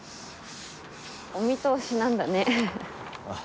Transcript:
お見通しなんだね。